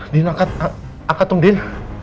din aku aku tungguin